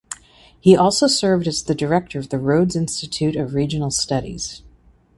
He also served as the director of the Rhodes Institute of Regional Studies.